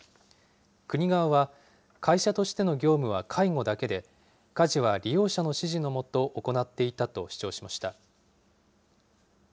国側は、会社としての業務は介護だけで、家事は利用者の指示の下、行っていたと主張しました。